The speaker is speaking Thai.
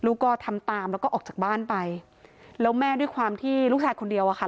ก็ทำตามแล้วก็ออกจากบ้านไปแล้วแม่ด้วยความที่ลูกชายคนเดียวอะค่ะ